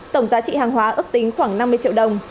tổng giá trị hàng hóa ước tính khoảng năm mươi triệu đồng